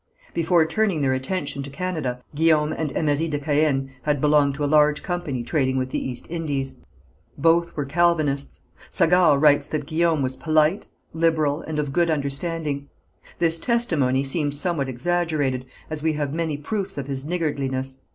Before turning their attention to Canada Guillaume and Emery de Caën had belonged to a large company trading with the East Indies. Both were Calvinists. Sagard writes that Guillaume was polite, liberal, and of good understanding. This testimony seems somewhat exaggerated, as we have many proofs of his niggardliness.